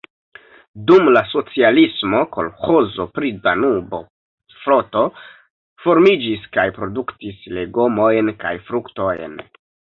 Dum la socialismo kolĥozo pri Danubo-floto formiĝis kaj produktis legomojn kaj fruktojn.